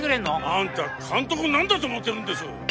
あんた監督を何だと思ってるんです！